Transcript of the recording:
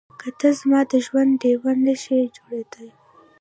که ته زما د ژوند ډيوه نه شې جوړېدای.